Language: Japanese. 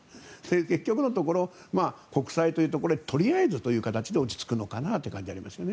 結局のところ国債というところにとりあえずという形で落ち着くのかなという感じはありますよね。